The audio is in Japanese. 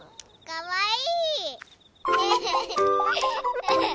かわいい！